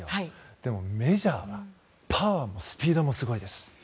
でもメジャーはパワーもスピードもすごいです。